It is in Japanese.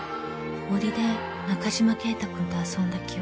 ［森で中嶋敬太くんと遊んだ記憶］